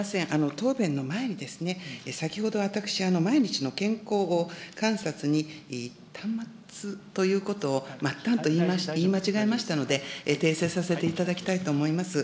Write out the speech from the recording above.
答弁の前に先ほど、私、毎日の健康観察に端末ということを、まったんと言い間違えましたので、訂正させていただきたいと思います。